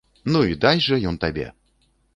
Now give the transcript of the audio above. Ну і дасць жа ён табе!